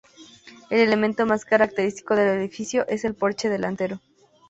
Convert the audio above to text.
El elemento más característico del edificio es el porche delantero.